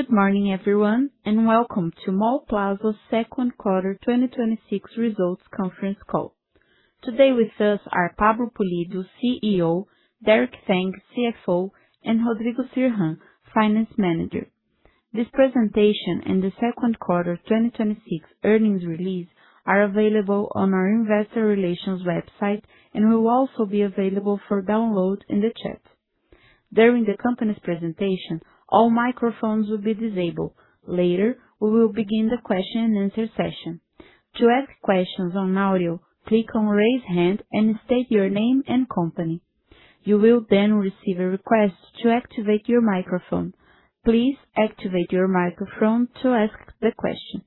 Good morning, everyone, and welcome to Mallplaza's second quarter 2026 results conference call. Today with us are Pablo Pulido, CEO, Derek Tang, CFO, and Rodrigo Cirjan, Finance Manager. This presentation and the second quarter 2026 earnings release are available on our investor relations website and will also be available for download in the chat. During the company's presentation, all microphones will be disabled. Later, we will begin the question and answer session. To ask questions on audio, click on Raise Hand and state your name and company. You will then receive a request to activate your microphone. Please activate your microphone to ask the question.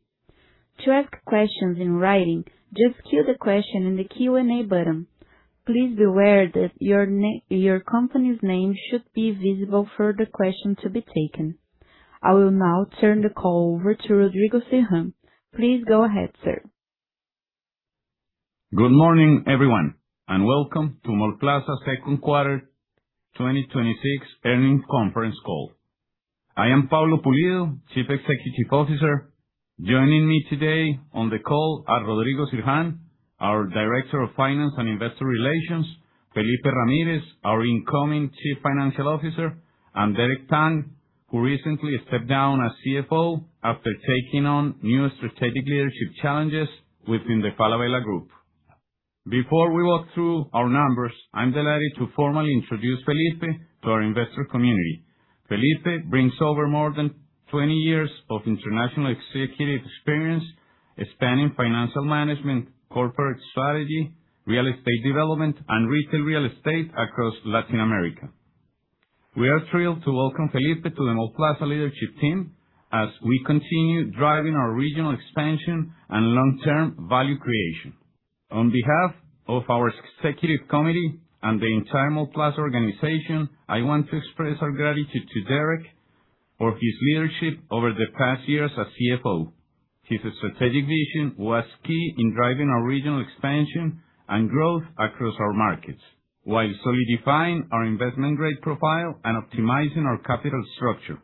To ask questions in writing, just queue the question in the Q&A button. Please be aware that your company's name should be visible for the question to be taken. I will now turn the call over to Rodrigo Cirjan. Please go ahead, sir. Good morning, everyone, and welcome to Mallplaza second quarter 2026 earnings conference call. I am Pablo Pulido, Chief Executive Officer. Joining me today on the call are Rodrigo Cirjan, our Director of Finance and Investor Relations, Felipe Ramírez, our incoming Chief Financial Officer, and Derek Tang, who recently stepped down as CFO after taking on new strategic leadership challenges within the Falabella Group. Before we walk through our numbers, I'm delighted to formally introduce Felipe to our investor community. Felipe brings over more than 20 years of international executive experience, expanding financial management, corporate strategy, real estate development, and retail real estate across Latin America. We are thrilled to welcome Felipe to the Mallplaza leadership team as we continue driving our regional expansion and long-term value creation. On behalf of our executive committee and the entire Mallplaza organization, I want to express our gratitude to Derek for his leadership over the past years as CFO. His strategic vision was key in driving our regional expansion and growth across our markets while solidifying our investment grade profile and optimizing our capital structure.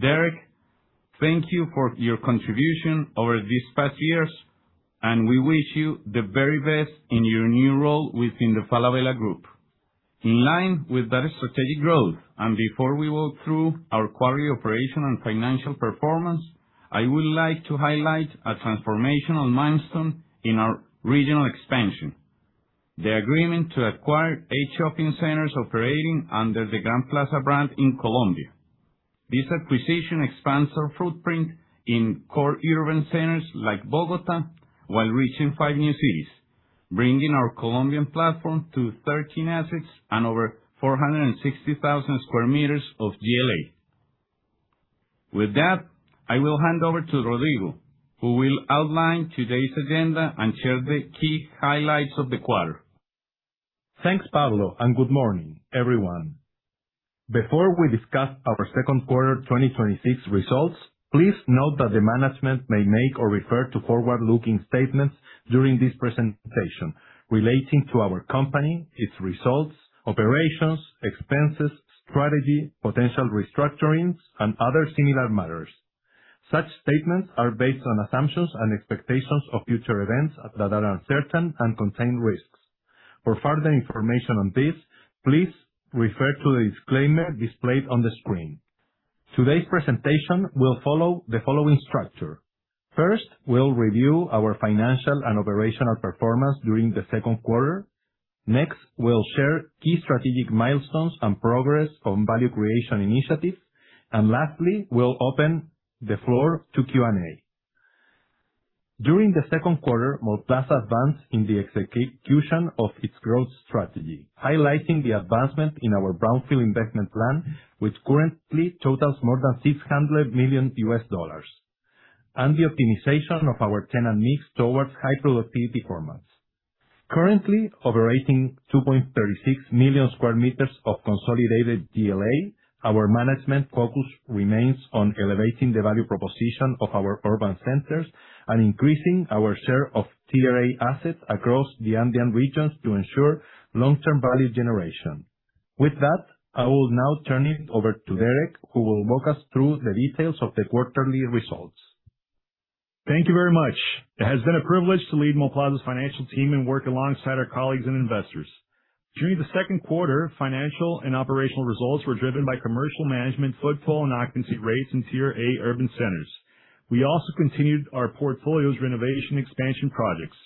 Derek, thank you for your contribution over these past years, and we wish you the very best in your new role within the Falabella Group. In line with that strategic growth, and before we walk through our quarter operation and financial performance, I would like to highlight a transformational milestone in our regional expansion, the agreement to acquire eight shopping centers operating under the Gran Plaza brand in Colombia. This acquisition expands our footprint in core urban centers like Bogotá while reaching five new cities, bringing our Colombian platform to 13 assets and over 460,000 sq m of GLA. With that, I will hand over to Rodrigo, who will outline today's agenda and share the key highlights of the quarter. Thanks, Pablo. Good morning, everyone. Before we discuss our second quarter 2026 results, please note that the management may make or refer to forward-looking statements during this presentation relating to our company, its results, operations, expenses, strategy, potential restructurings, and other similar matters. Such statements are based on assumptions and expectations of future events that are uncertain and contain risks. For further information on this, please refer to the disclaimer displayed on the screen. Today's presentation will follow the following structure. First, we'll review our financial and operational performance during the second quarter. Next, we'll share key strategic milestones and progress on value creation initiatives. Lastly, we'll open the floor to Q&A. During the second quarter, Mallplaza advanced in the execution of its growth strategy, highlighting the advancement in our brownfield investment plan, which currently totals more than $600 million, and the optimization of our tenant mix towards high productivity formats. Currently operating 2.36 million sq m of consolidated GLA, our management focus remains on elevating the value proposition of our urban centers and increasing our share of Tier A assets across the Andean regions to ensure long-term value generation. With that, I will now turn it over to Derek, who will walk us through the details of the quarterly results. Thank you very much. It has been a privilege to lead Mallplaza's financial team and work alongside our colleagues and investors. During the second quarter, financial and operational results were driven by commercial management, footfall, and occupancy rates in Tier A urban centers. We also continued our portfolio's renovation expansion projects.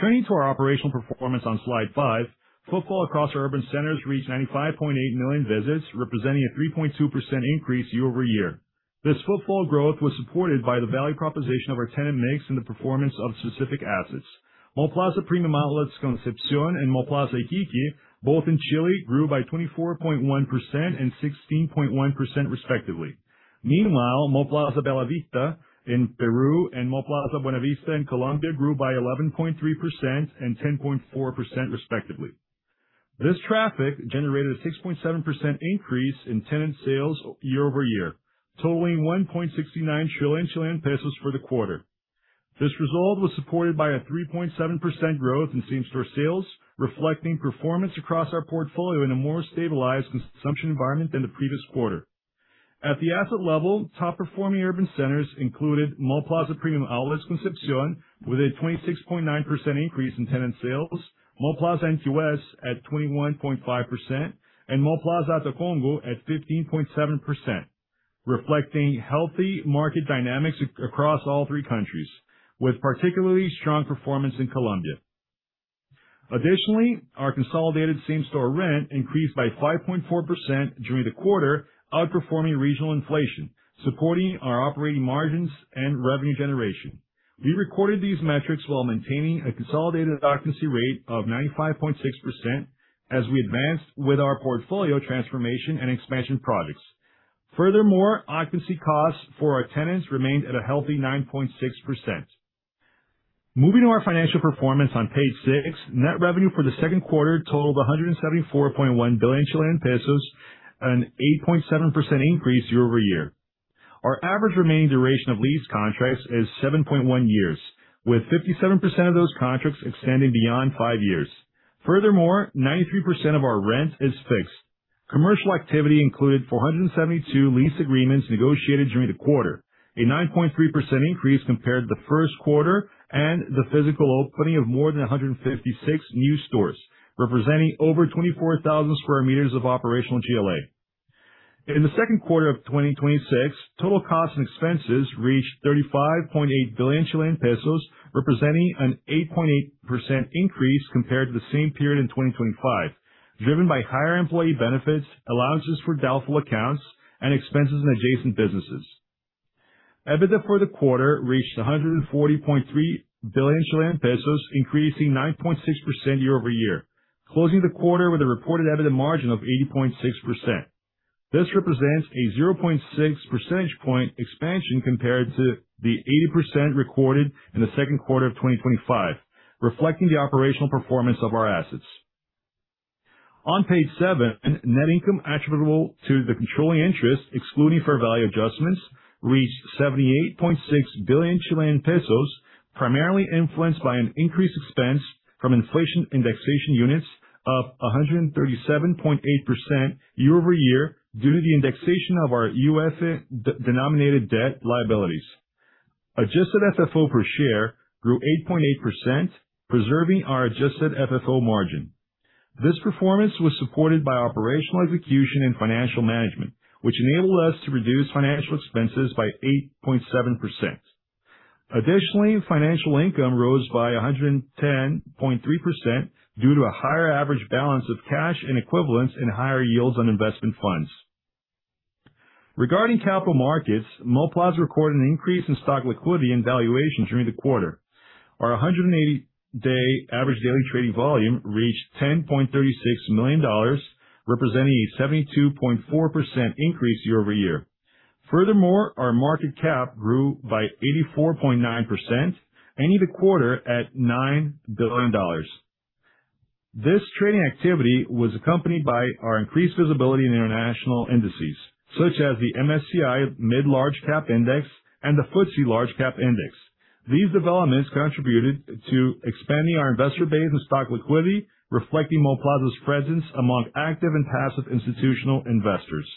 Turning to our operational performance on slide five, footfall across our urban centers reached 95.8 million visits, representing a 3.2% increase year-over-year. This footfall growth was supported by the value proposition of our tenant mix and the performance of specific assets. Mallplaza Premium Outlets Concepción and Mallplaza Iquique, both in Chile, grew by 24.1% and 16.1% respectively. Meanwhile, Mallplaza Bellavista in Peru and Mallplaza Buenavista in Colombia grew by 11.3% and 10.4% respectively. This traffic generated a 6.7% increase in tenant sales year-over-year, totaling 1.69 trillion Chilean pesos for the quarter. This result was supported by a 3.7% growth in same-store sales, reflecting performance across our portfolio in a more stabilized consumption environment than the previous quarter. At the asset level, top-performing urban centers included Mallplaza Premium Outlets Concepción, with a 26.9% increase in tenant sales, Mallplaza Antofagasta at 21.5%, and Mallplaza Toconce at 15.7%, reflecting healthy market dynamics across all three countries, with particularly strong performance in Colombia. Additionally, our consolidated same-store rent increased by 5.4% during the quarter, outperforming regional inflation, supporting our operating margins and revenue generation. We recorded these metrics while maintaining a consolidated occupancy rate of 95.6% as we advanced with our portfolio transformation and expansion projects. Furthermore, occupancy costs for our tenants remained at a healthy 9.6%. Moving to our financial performance on page six, net revenue for the second quarter totaled 174.1 billion Chilean pesos, an 8.7% increase year-over-year. Our average remaining duration of lease contracts is 7.1 years, with 57% of those contracts extending beyond five years. Furthermore, 93% of our rent is fixed. Commercial activity included 472 lease agreements negotiated during the quarter, a 9.3% increase compared to the first quarter, and the physical opening of more than 156 new stores, representing over 24,000 sq m of operational GLA. In the second quarter of 2026, total costs and expenses reached 35.8 billion Chilean pesos, representing an 8.8% increase compared to the same period in 2025, driven by higher employee benefits, allowances for doubtful accounts, and expenses in adjacent businesses. EBITDA for the quarter reached 140.3 billion Chilean pesos, increasing 9.6% year-over-year, closing the quarter with a reported EBITDA margin of 80.6%. This represents a 0.6 percentage point expansion compared to the 80% recorded in the second quarter of 2025, reflecting the operational performance of our assets. On page seven, net income attributable to the controlling interest, excluding fair value adjustments, reached 78.6 billion Chilean pesos, primarily influenced by an increased expense from inflation indexation units of 137.8% year-over-year due to the indexation of our UF-denominated debt liabilities. Adjusted FFO per share grew 8.8%, preserving our adjusted FFO margin. This performance was supported by operational execution and financial management, which enabled us to reduce financial expenses by 8.7%. Additionally, financial income rose by 110.3% due to a higher average balance of cash and equivalents and higher yields on investment funds. Regarding capital markets, Mallplaza recorded an increase in stock liquidity and valuation during the quarter. Our 180-day average daily trading volume reached $10.36 million, representing a 72.4% increase year-over-year. Furthermore, our market cap grew by 84.9% and ended the quarter at $9 billion. This trading activity was accompanied by our increased visibility in international indices, such as the MSCI Mid & Large Cap Index and the FTSE Large Cap Index. These developments contributed to expanding our investor base and stock liquidity, reflecting Mallplaza's presence among active and passive institutional investors.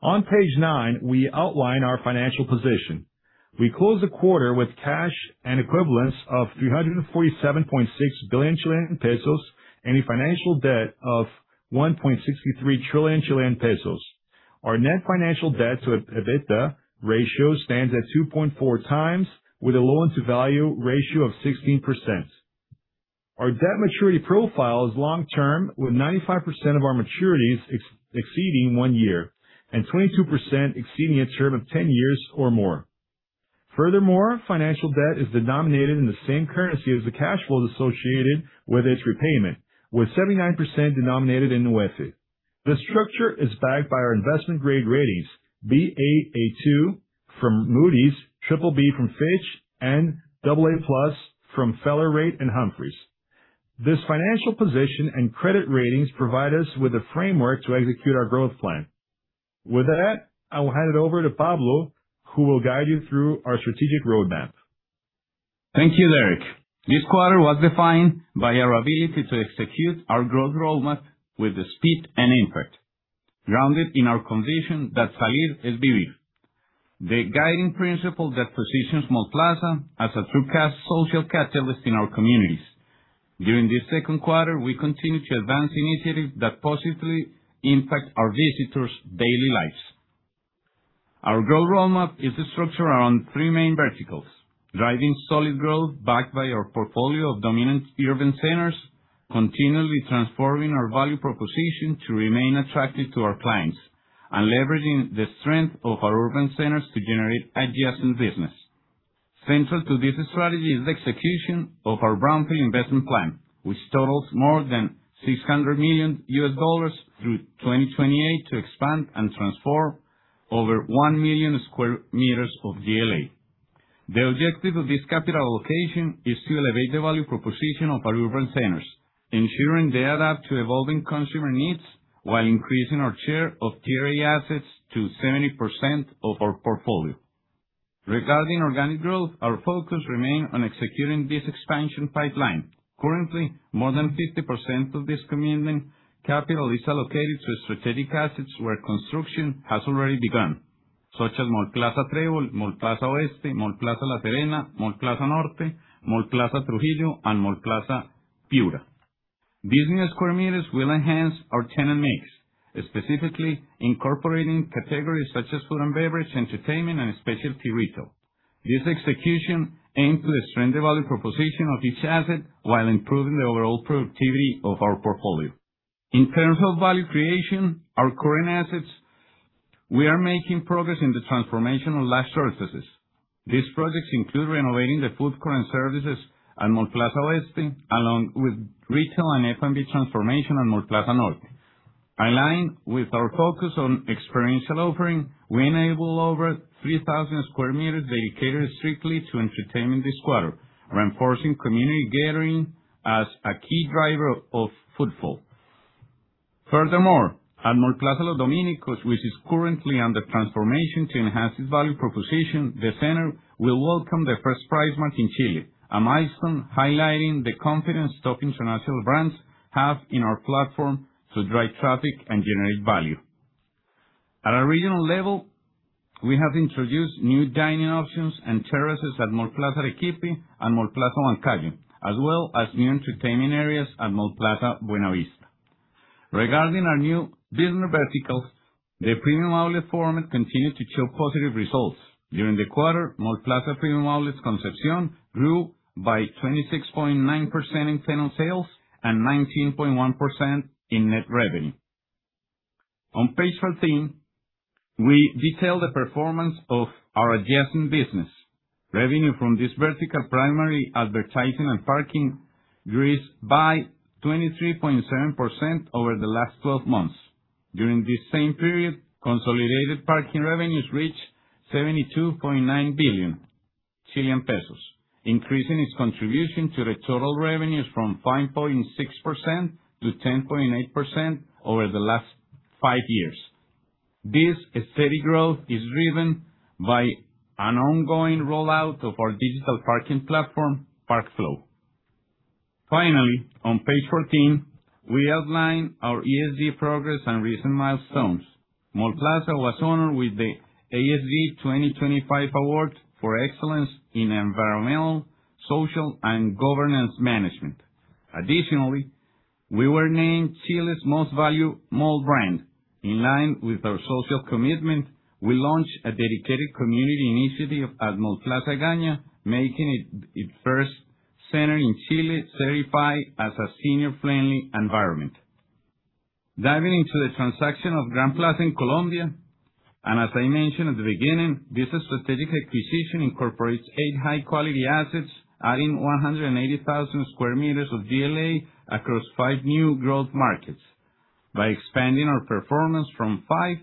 On page nine, we outline our financial position. We close the quarter with cash and equivalents of 347.6 billion Chilean pesos and a financial debt of 1.63 trillion Chilean pesos. Our net financial debt to EBITDA ratio stands at 2.4x with a loan-to-value ratio of 16%. Our debt maturity profile is long-term, with 95% of our maturities exceeding one year and 22% exceeding a term of 10 years or more. Furthermore, financial debt is denominated in the same currency as the cash flows associated with its repayment, with 79% denominated in USD. This structure is backed by our investment-grade ratings, Baa2 from Moody's, BBB from Fitch, and AA+ from Feller Rate and Humphreys. This financial position and credit ratings provide us with a framework to execute our growth plan. With that, I will hand it over to Pablo, who will guide you through our strategic roadmap. Thank you, Derek. This quarter was defined by our ability to execute our growth roadmap with the speed and impact, grounded in our conviction that Salir es Vivir. The guiding principle that positions Mallplaza as a true social catalyst in our communities. During this second quarter, we continued to advance initiatives that positively impact our visitors' daily lives. Our growth roadmap is structured around three main verticals, driving solid growth backed by our portfolio of dominant urban centers, continually transforming our value proposition to remain attractive to our clients, and leveraging the strength of our urban centers to generate adjacent business. Central to this strategy is the execution of our brownfield investment plan, which totals more than $600 million through 2028 to expand and transform over 1 million sq of GLA. The objective of this capital allocation is to elevate the value proposition of our urban centers, ensuring they adapt to evolving consumer needs while increasing our share of TRA assets to 70% of our portfolio. Regarding organic growth, our focus remains on executing this expansion pipeline. Currently, more than 50% of this commitment capital is allocated to strategic assets where construction has already begun, such as Mallplaza Trébol, Mallplaza Oeste, Mallplaza La Serena, Mallplaza Norte, Mallplaza Trujillo, and Mallplaza Piura. These new square meters will enhance our tenant mix, specifically incorporating categories such as food and beverage, entertainment, and specialty retail. This execution aims to strengthen the value proposition of each asset while improving the overall productivity of our portfolio. In terms of value creation, our current assets, we are making progress in the transformation of life services. These projects include renovating the food court and services at Mallplaza Oeste, along with retail and F&B transformation at Mallplaza Norte. Aligned with our focus on experiential offering, we enabled over 3,000 sq m dedicated strictly to entertainment this quarter, reinforcing community gathering as a key driver of footfall. Furthermore, at Mallplaza Los Dominicos, which is currently under transformation to enhance its value proposition, the center will welcome the first PriceSmart in Chile, a milestone highlighting the confidence top international brands have in our platform to drive traffic and generate value. At a regional level, we have introduced new dining options and terraces at Mallplaza Arequipa and Mallplaza Manizales, as well as new entertainment areas at Mallplaza Buenavista. Regarding our new business verticals, the premium outlet format continued to show positive results. During the quarter, Mallplaza Premium Outlets Concepción grew by 26.9% in tenant sales and 19.1% in net revenue. On page 14, we detail the performance of our adjacent business. Revenue from this vertical, primarily advertising and parking, grew by 23.7% over the last 12 months. During this same period, consolidated parking revenues reached 72.9 billion Chilean pesos, increasing its contribution to the total revenues from 5.6%-10.8% over the last five years. This steady growth is driven by an ongoing rollout of our digital parking platform, Parkflow. Finally, on page 14, we outline our ESG progress and recent milestones. Mallplaza was honored with the ESG 2025 Award for excellence in environmental, social, and governance management. Additionally, we were named Chile's Most Valuable Mall Brand. In line with our social commitment, we launched a dedicated community initiative at Mallplaza Egaña, making it the first center in Chile certified as a senior-friendly environment. Diving into the transaction of Gran Plaza in Colombia, and as I mentioned at the beginning, this strategic acquisition incorporates eight high-quality assets, adding 180,000 sq m of GLA across five new growth markets. By expanding our performance from 5-10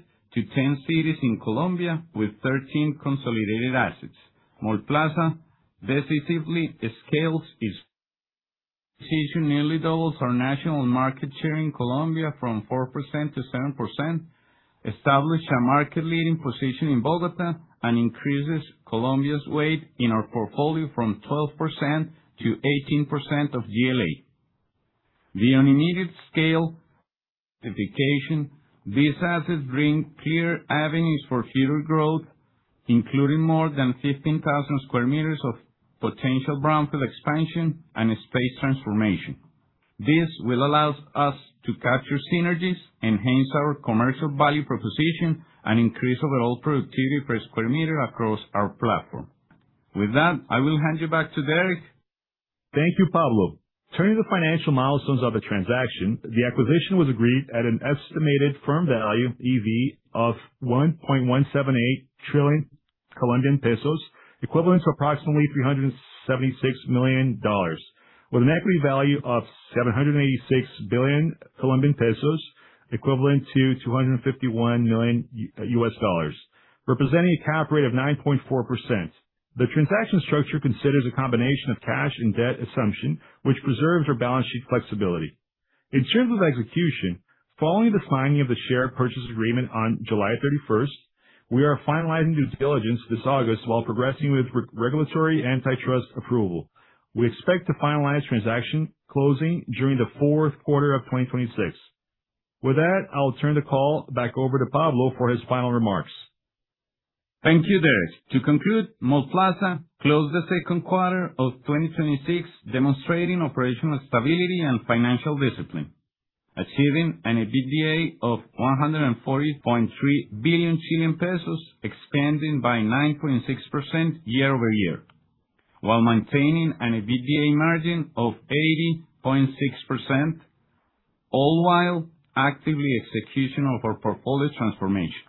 cities in Colombia with 13 consolidated assets, Mallplaza decisively scales it nearly doubles our national market share in Colombia from 4%-7%, establishes a market-leading position in Bogotá, and increases Colombia's weight in our portfolio from 12%-18% of GLA. Beyond immediate scale this asset brings clear avenues for future growth, including more than 15,000 sq m of potential brownfield expansion and space transformation. This will allow us to capture synergies, enhance our commercial value proposition, and increase overall productivity per square meter across our platform. With that, I will hand you back to Derek. Thank you, Pablo. Turning to the financial milestones of the transaction, the acquisition was agreed at an estimated firm value, EV, of COP 1.178 trillion, equivalent to approximately $376 million. With an equity value of COP 786 billion, equivalent to $251 million, representing a cap rate of 9.4%. The transaction structure considers a combination of cash and debt assumption, which preserves our balance sheet flexibility. In terms of execution, following the signing of the share purchase agreement on July 31st, we are finalizing due diligence this August while progressing with regulatory antitrust approval. We expect to finalize transaction closing during the fourth quarter of 2026. With that, I will turn the call back over to Pablo for his final remarks. Thank you, Derek. To conclude, Mallplaza closed the second quarter of 2026 demonstrating operational stability and financial discipline, achieving an EBITDA of 140.3 billion Chilean pesos, expanding by 9.6% year-over-year, while maintaining an EBITDA margin of 80.6%, all while actively executing our portfolio transformation.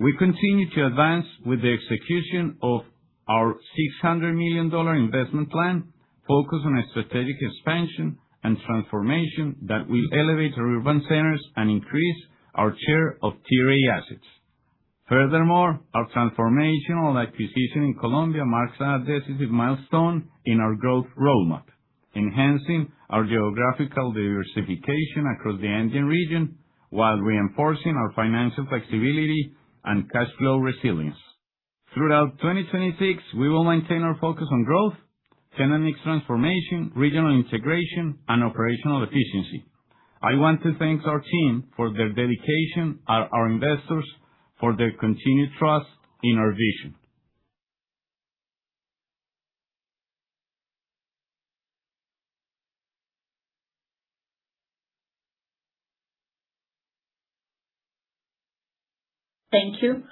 We continue to advance with the execution of our $600 million investment plan focused on strategic expansion and transformation that will elevate our urban centers and increase our share of Tier A assets. Furthermore, our transformational acquisition in Colombia marks a decisive milestone in our growth roadmap, enhancing our geographical diversification across the Andean region while reinforcing our financial flexibility and cash flow resilience. Throughout 2026, we will maintain our focus on growth, tenant mix transformation, regional integration, and operational efficiency. I want to thank our team for their dedication, our investors for their continued trust in our vision. Thank you.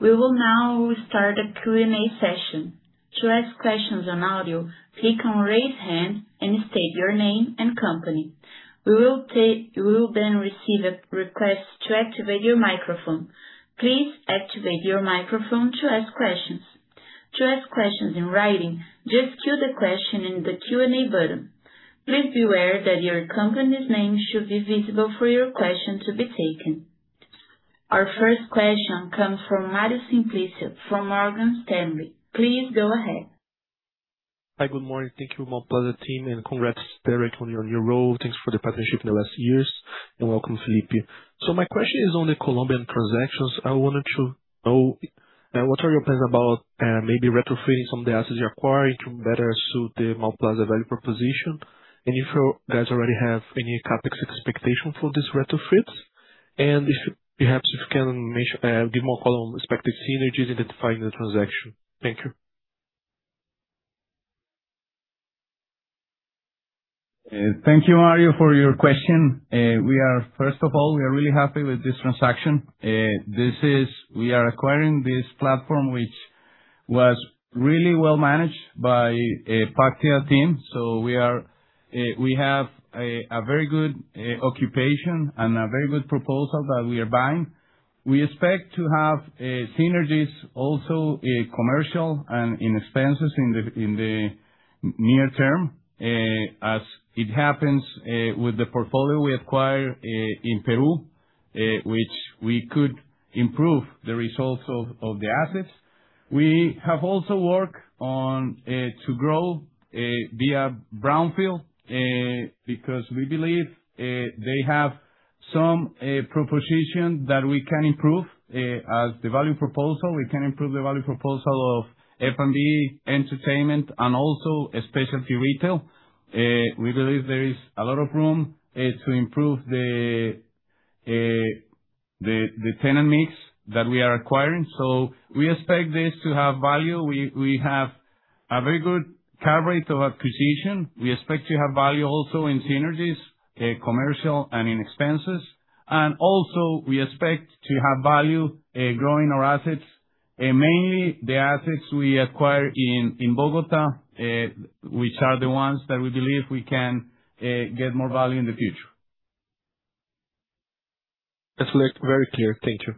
We will now start a Q&A session. To ask questions on audio, click on Raise Hand and state your name and company. You will then receive a request to activate your microphone. Please activate your microphone to ask questions. To ask questions in writing, just queue the question in the Q&A button. Please be aware that your company's name should be visible for your question to be taken. Our first question comes from Mario Simplicio from Morgan Stanley. Please go ahead. Hi. Good morning. Thank you, Mallplaza team, and congrats, Derek, on your new role. Thanks for the partnership in the last years, and welcome, Felipe. My question is on the Colombian transactions. I wanted to know what are your plans about maybe retrofitting some of the assets you're acquiring to better suit the Mallplaza value proposition? If you guys already have any CapEx expectations for these retrofits. If perhaps you can give more color on respective synergies identifying the transaction. Thank you. Thank you, Mario, for your question. First of all, we are really happy with this transaction. We are acquiring this platform, which was really well managed by a Pactia team. We have a very good occupation and a very good proposal that we are buying. We expect to have synergies also commercial and in expenses in the near term, as it happens with the portfolio we acquire in Peru, which we could improve the results of the assets. We have also worked to grow via brownfield, because we believe they have some proposition that we can improve as the value proposal. We can improve the value proposal of F&B entertainment and also specialty retail. We believe there is a lot of room to improve the tenant mix that we are acquiring. We expect this to have value. We have a very good coverage of acquisition. We expect to have value also in synergies, commercial and in expenses. Also we expect to have value growing our assets, mainly the assets we acquire in Bogota, which are the ones that we believe we can get more value in the future. That's very clear. Thank you.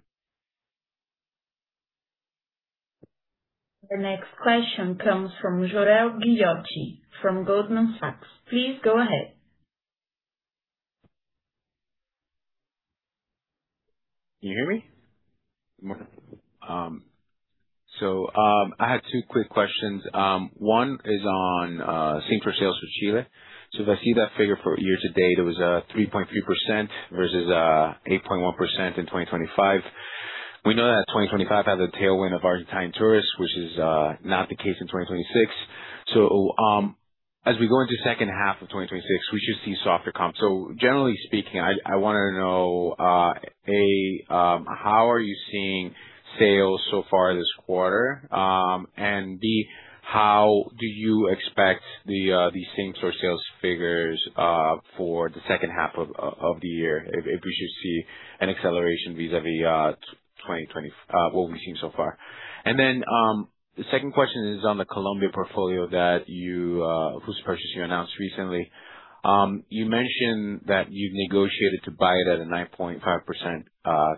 The next question comes from Jorel Guilloty from Goldman Sachs. Please go ahead. Can you hear me? Good morning. I had two quick questions. One is on same-store sales for Chile. If I see that figure for year to date, it was 3.3% versus 8.1% in 2025. We know that 2025 has a tailwind of Argentine tourists, which is not the case in 2026. As we go into second half of 2026, we should see softer comp. Generally speaking, I wanted to know, A, how are you seeing sales so far this quarter? B, how do you expect these same-store sales figures for the second half of the year if we should see an acceleration vis-à-vis what we've seen so far? The second question is on the Colombia portfolio, whose purchase you announced recently. You mentioned that you've negotiated to buy it at a 9.5%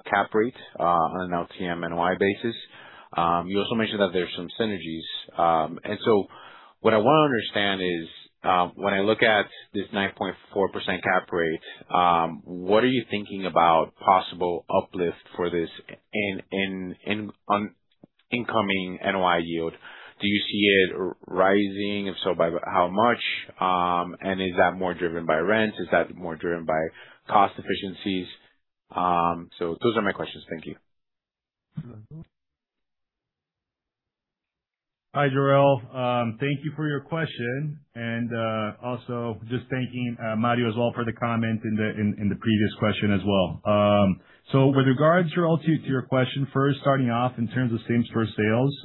cap rate on an LTM NOI basis. You also mentioned that there's some synergies. What I want to understand is, when I look at this 9.4% cap rate, what are you thinking about possible uplift for this on incoming NOI yield? Do you see it rising? If so, by how much? Is that more driven by rent? Is that more driven by cost efficiencies? Those are my questions. Thank you. Hi, Jorel. Thank you for your question. Also just thanking Mario as well for the comment in the previous question as well. With regards, Jorel, to your question first, starting off in terms of same-store sales,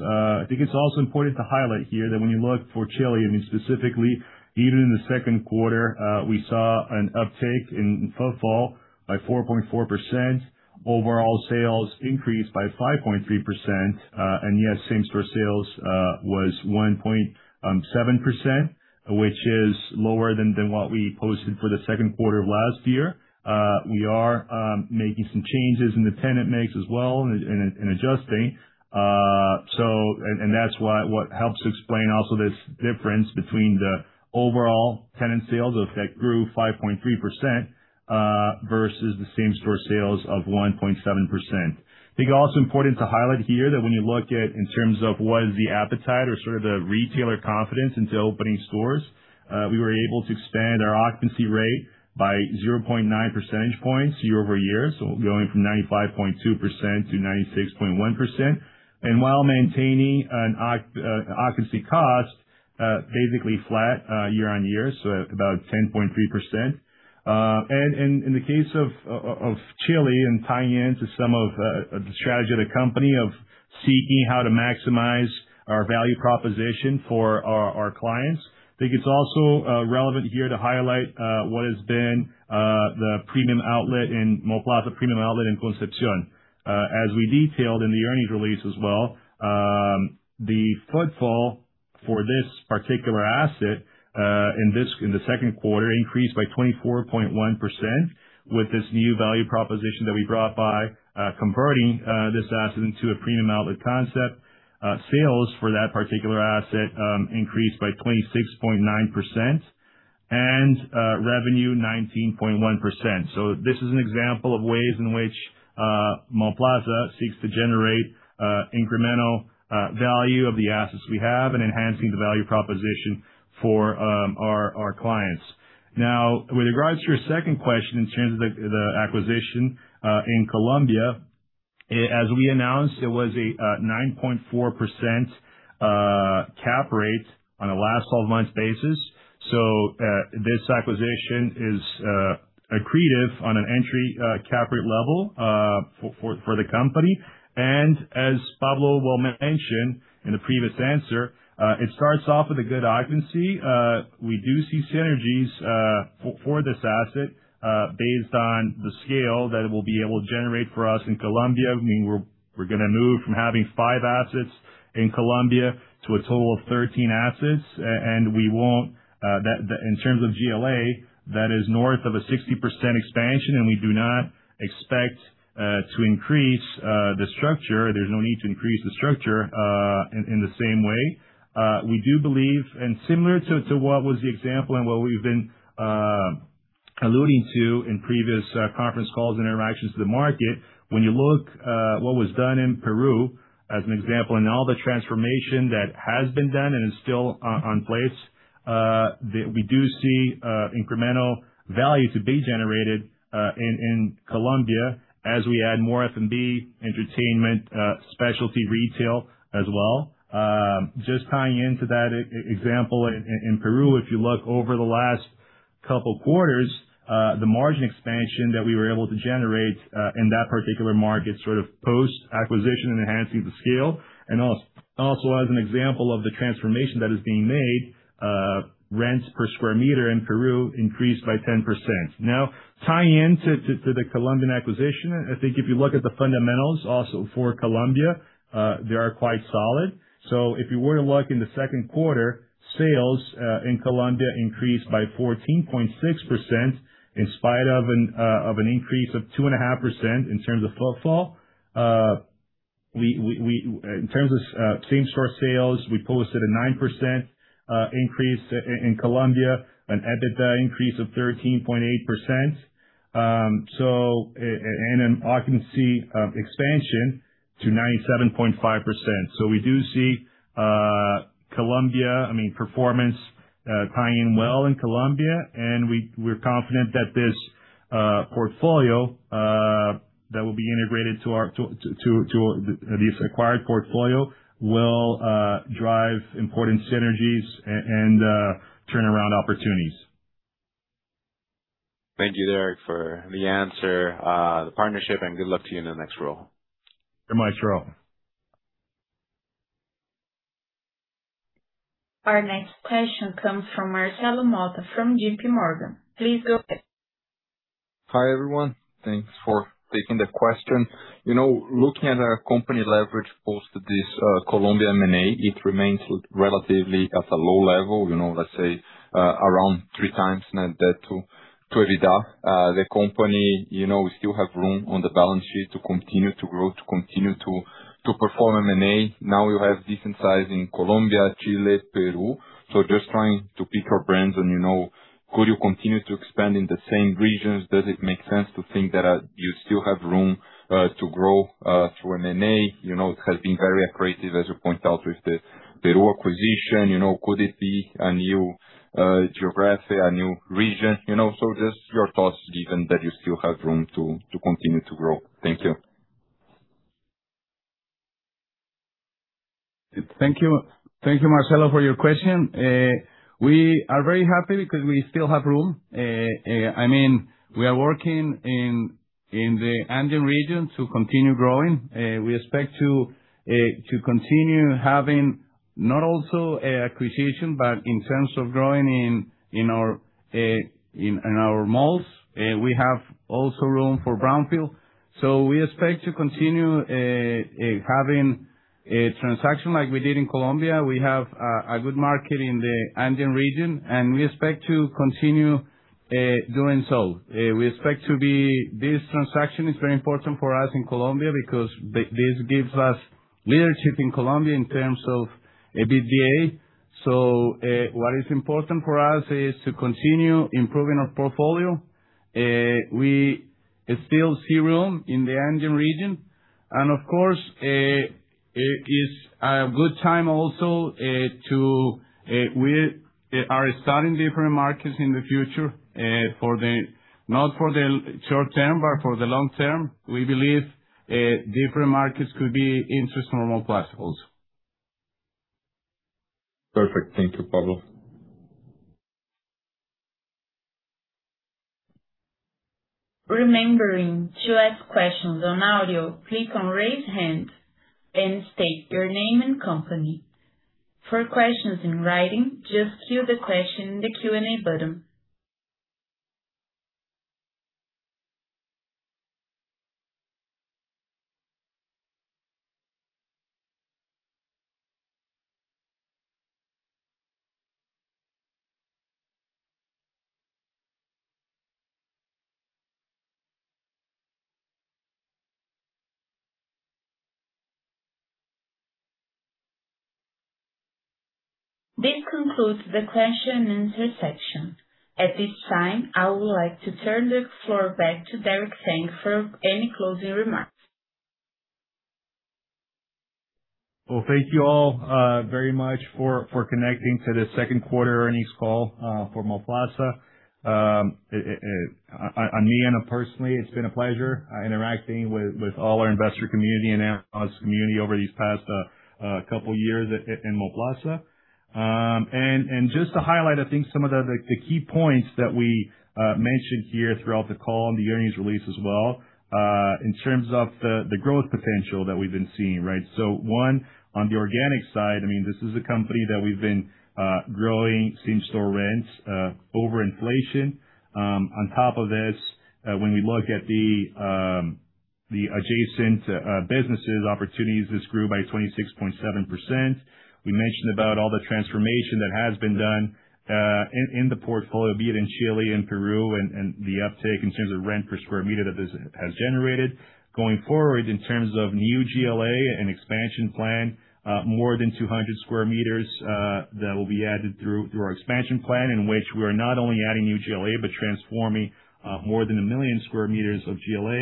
I think it's also important to highlight here that when you look for Chile, I mean, specifically, even in the second quarter, we saw an uptake in footfall by 4.4%. Overall sales increased by 5.3%. Yes, same-store sales was 1.7%, which is lower than what we posted for the second quarter of last year. We are making some changes in the tenant mix as well and adjusting. That's what helps explain also this difference between the overall tenant sales that grew 5.3% versus the same-store sales of 1.7%. I think it's also important to highlight here that when you look at, in terms of what is the appetite or sort of the retailer confidence into opening stores, we were able to expand our occupancy rate by 0.9 percentage points year-over-year. Going from 95.2%-96.1%. While maintaining an occupancy cost basically flat year on year, so about 10.3%. In the case of Chile, and tying into some of the strategy of the company of seeking how to maximize our value proposition for our clients, I think it's also relevant here to highlight what has been the premium outlet in Mallplaza Premium Outlets Concepción. As we detailed in the earnings release as well, the footfall for this particular asset, in the second quarter, increased by 24.1% with this new value proposition that we brought by converting this asset into a premium outlet concept. Sales for that particular asset increased by 26.9% and revenue 19.1%. This is an example of ways in which Mallplaza seeks to generate incremental value of the assets we have and enhancing the value proposition for our clients. With regards to your second question in terms of the acquisition in Colombia, as we announced, it was a 9.4% cap rate on a last 12 months basis. This acquisition is accretive on an entry cap rate level for the company. As Pablo will mention in the previous answer, it starts off with a good occupancy. We do see synergies for this asset, based on the scale that it will be able to generate for us in Colombia. We're going to move from having five assets in Colombia to a total of 13 assets. In terms of GLA, that is north of a 60% expansion, and we do not expect to increase the structure. There's no need to increase the structure in the same way. We do believe, and similar to what was the example and what we've been alluding to in previous conference calls and interactions with the market, when you look at what was done in Peru as an example, and all the transformation that has been done and is still on place, that we do see incremental value to be generated in Colombia as we add more F&B, entertainment, specialty retail as well. Just tying into that example in Peru, if you look over the last couple of quarters, the margin expansion that we were able to generate in that particular market, sort of post-acquisition and enhancing the scale. Also as an example of the transformation that is being made, rents per square meter in Peru increased by 10%. Tying into the Colombian acquisition, I think if you look at the fundamentals also for Colombia, they are quite solid. If you were to look in the second quarter, sales in Colombia increased by 14.6% in spite of an increase of 2.5 sales, we posted a 9% increase in Colombia, an EBITDA increase of 13.8%, and an occupancy expansion to 97.5%. We do see Colombia, I mean, performance tying in well in Colombia, and we're confident that this portfolio that will be integrated to this acquired portfolio will drive important synergies and turnaround opportunities. Thank you Derek for the answer, the partnership, and good luck to you in your next role. You're much welcome. Our next question comes from Marcelo Motta from JPMorgan. Please go ahead. Hi, everyone. Thanks for taking the question. Looking at our company leverage post this Colombia M&A, it remains relatively at a low level, let's say around three times net debt to EBITDA. The company still have room on the balance sheet to continue to grow, to continue to perform M&A. Now you have decent size in Colombia, Chile, Peru. Just trying to pick our brains on could you continue to expand in the same regions? Does it make sense to think that you still have room to grow through M&A? It has been very accretive, as you point out, with the Peru acquisition. Could it be a new geography, a new region? Just your thoughts, given that you still have room to continue to grow. Thank you. Thank you, Marcelo, for your question. We are very happy because we still have room. We are working in the Andean region to continue growing. We expect to continue having not also acquisition, but in terms of growing in our malls. We have also room for brownfield. We expect to continue having a transaction like we did in Colombia. We have a good market in the Andean region, and we expect to continue doing so. This transaction is very important for us in Colombia because this gives us leadership in Colombia in terms of EBITDA. What is important for us is to continue improving our portfolio. We still see room in the Andean region, and of course, We are starting different markets in the future, not for the short term, but for the long term. We believe different markets could be of interest to Plaza also. Perfect. Thank you, Pablo. Remembering to ask questions on audio, click on Raise Hand and state your name and company. For questions in writing, just fill the question in the Q&A button. This concludes the question and answer section. At this time, I would like to turn the floor back to Derek Tang for any closing remarks. Thank you all very much for connecting to the second quarter earnings call for Mallplaza. On me and personally, it's been a pleasure interacting with all our investor community and analyst community over these past couple years at Mallplaza. Just to highlight, I think some of the key points that we mentioned here throughout the call and the earnings release as well, in terms of the growth potential that we've been seeing, right? One, on the organic side, this is a company that we've been growing same-store rents over inflation. On top of this, when we look at the adjacent businesses opportunities, this grew by 26.7%. We mentioned about all the transformation that has been done, in the portfolio, be it in Chile and Peru and the uptake in terms of rent per sq m that this has generated. Going forward, in terms of new GLA and expansion plan, more than 200 sq m that will be added through our expansion plan in which we are not only adding new GLA, but transforming more than 1 million sq m of GLA.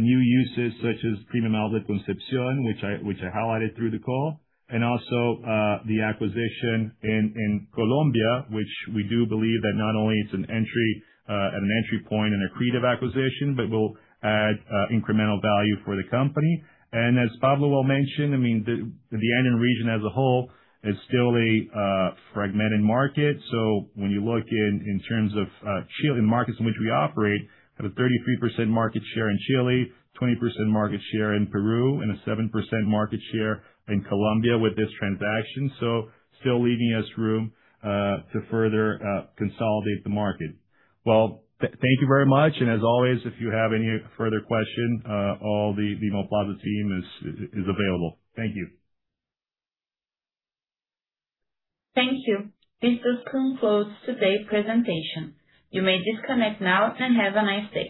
New uses such as Mallplaza Premium Outlets Concepción, which I highlighted through the call. Also, the acquisition in Colombia, which we do believe that not only it's an entry point and accretive acquisition, but will add incremental value for the company. As Pablo well mentioned, the Andean region as a whole is still a fragmented market. When you look in terms of markets in which we operate, have a 33% market share in Chile, 20% market share in Peru, and a 7% market share in Colombia with this transaction. Still leaving us room to further consolidate the market. Well, thank you very much. As always, if you have any further question, all the Mallplaza team is available. Thank you. Thank you. This does conclude today's presentation. You may disconnect now and have a nice day.